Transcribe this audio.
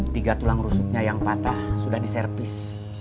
tiga tulang rusuknya yang patah sudah diservis